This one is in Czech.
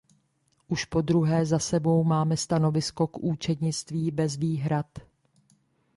Už podruhé za sebou máme stanovisko k účetnictví bez výhrad.